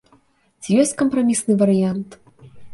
Ці ёсць кампрамісны варыянт?